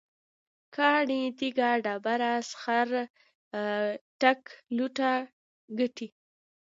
کاڼی، تیږه، ډبره، سخر، ګټ، لوټه، ګټی